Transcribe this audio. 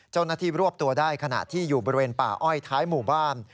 รวบตัวได้ขณะที่อยู่บริเวณป่าอ้อยท้ายหมู่บ้าน